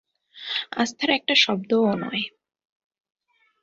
আস্থার একটা শব্দও নয়।